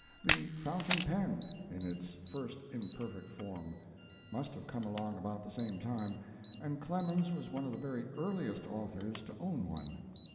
The fountain pen, in its first imperfect form, must have come along about the same time, and Clemens was one of the very earliest authors to own one.